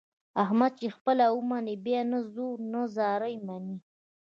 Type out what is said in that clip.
احمد چې خپله ومني بیا نه زور نه زارۍ مني.